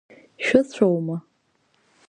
Шәыцәоума?